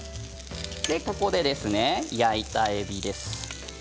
ここで焼いたえびです。